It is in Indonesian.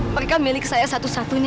mereka milik saya satu satunya